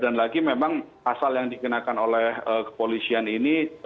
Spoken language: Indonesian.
dan lagi memang asal yang dikenakan oleh kepolisian itu